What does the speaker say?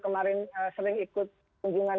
kemarin sering ikut kunjungan